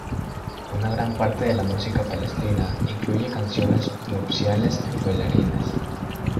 Una gran parte de la música palestina incluye canciones nupciales y bailarines.